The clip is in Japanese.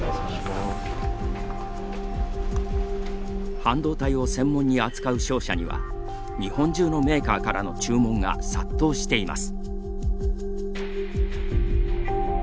半導体を専門に扱う商社には日本中のメーカーからの注文が殺到しています。